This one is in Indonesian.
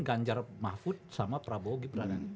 ganjar mahfud sama prabowo gibran